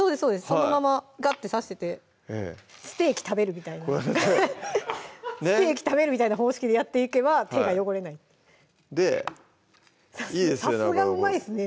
そのままガッて刺しててステーキ食べるみたいなステーキ食べるみたいな方式でやっていけば手が汚れないいいですね